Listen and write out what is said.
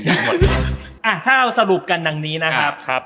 ทุกคนอะถ้าเราสรุปกันนางนี้นะครับครับ